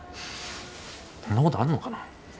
そんなことあるのかな？